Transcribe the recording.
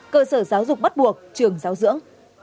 cơ sở giáo dục bắt buộc trường giáo dưỡng